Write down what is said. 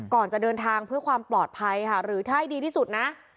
จะเดินทางเพื่อความปลอดภัยค่ะหรือถ้าให้ดีที่สุดนะ